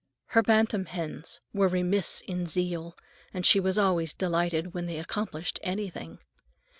Her bantam hens were remiss in zeal, and she was always delighted when they accomplished anything.